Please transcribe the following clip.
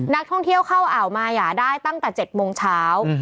นักท่องเที่ยวเข้าอ่าวมายาได้ตั้งแต่๗โมงเช้า